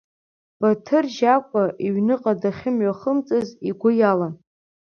Баҭыр Жьакәа иҩныҟа дахьымҩахымҵыз игәы иалан.